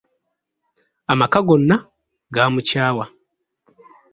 Amaka gonna gaamukyawa.